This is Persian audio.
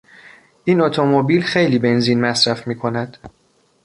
این اتومبیل خیلی بنزین مصرف میکند.